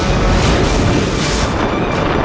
tapi tempat sesuatu